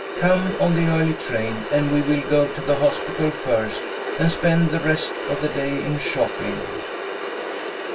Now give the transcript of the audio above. Come on the early train, and we will go to the hospital first, and spend the rest of the day in shopping."